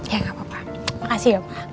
ya gak apa apa makasih ya pak